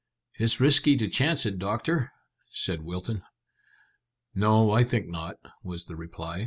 "It's risky to chance it, doctor," said Wilton. "No, I think not," was the reply.